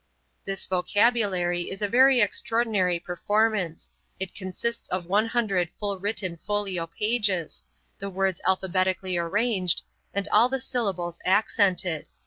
This vocabulary is a very extraordinary performance; it consists of one hundred full written folio pages, the words alphabetically arranged, and all the syllables accented.